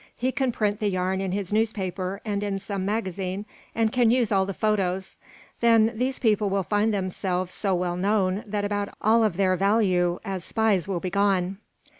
He can print the yarn in his newspaper and in some magazine, and can use all the photos. Then these people will find themselves so well known that about all of them value as spies will be gone."